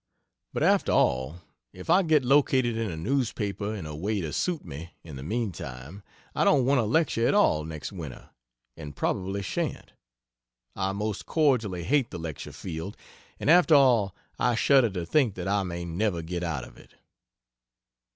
But after all if I get located in a newspaper in a way to suit me, in the meantime, I don't want to lecture at all next winter, and probably shan't. I most cordially hate the lecture field. And after all, I shudder to think that I may never get out of it.